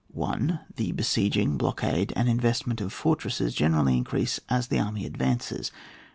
1. The besieging, blockade, and in vestment of fortresses, generally increase as the army advances.